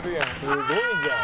すごいじゃん。